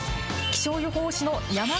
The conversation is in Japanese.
気象予報士の山神